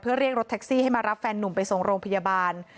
เรียกรถแท็กซี่ให้มารับแฟนนุ่มไปส่งโรงพยาบาล